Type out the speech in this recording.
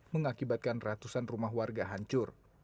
mengakibatkan ratusan rumah warga hancur